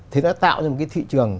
thì đã tạo ra một cái thị trường